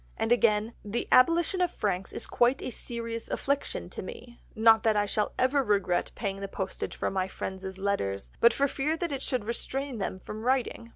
And again, "The abolition of franks is quite a serious affliction to me, not that I shall ever regret paying the postage for my friends' letters, but for fear it should restrain them from writing.